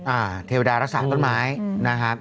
เทวดารักษาต้นไม้นะครับ